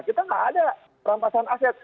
kita nggak ada perampasan aset